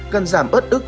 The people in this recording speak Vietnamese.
cần giảm ớt ức